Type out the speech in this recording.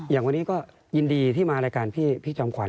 อย่างวันนี้ก็ยินดีที่มารายการพี่จอมขวั